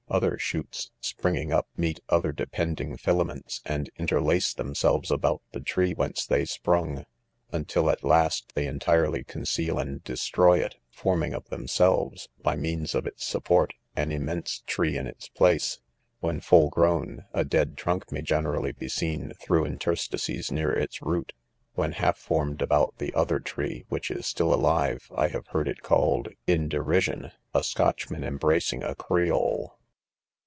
Other shoots, springing up, meet other depending filaments, and interlace themselves about the tree whence they sprung, until at last they entirely conceal and destroy it, forming of themselves, by means of it's support, an immense tree in its place ; when full grown, a dead trunk may generally be seen through in terstices near its root; when half iformed about the other tree, which is still alive, I have heard it called,, in deri sion, a a Scotchman embracing a Creole.